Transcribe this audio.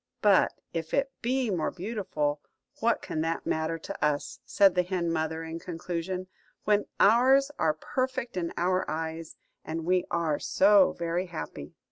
"But if it be more beautiful, what can that matter to us," said the hen mother, in conclusion, "when ours are perfect in our eyes, and we are so very happy?"